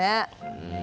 うん。